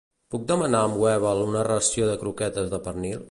Puc demanar amb Webel una ració de croquetes de pernil?